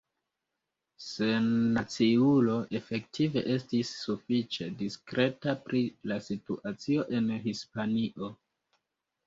Sennaciulo efektive estis sufiĉe diskreta pri la situacio en Hispanio.